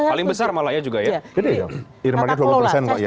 paling besar malah ya juga ya gede